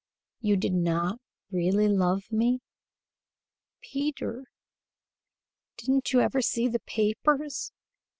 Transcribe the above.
You did not really love me?" "Peter! Didn't you ever see the papers?